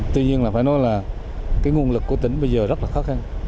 tuy nhiên phải nói là nguồn lực của tỉnh bây giờ rất là khó khăn